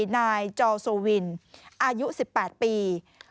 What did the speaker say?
นายจอโซวินอายุ๑๘ปี